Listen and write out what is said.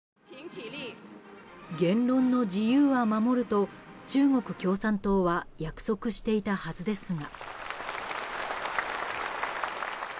言論の自由は守ると中国共産党は約束していたはずですが。